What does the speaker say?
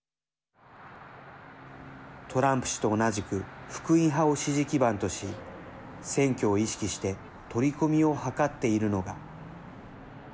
トランプ氏と同じく福音派を支持基盤とし選挙を意識して取り込みを図っているのが。